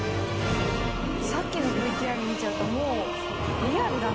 さっきのＶＴＲ見ちゃうともうリアルだな。